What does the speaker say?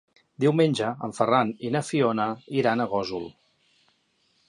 Diumenge en Ferran i na Fiona iran a Gósol.